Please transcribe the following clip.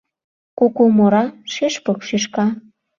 Куку мура, шӱшпык шӱшка